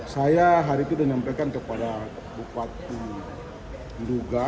saya hari itu sudah menyampaikan kepada bupati nduga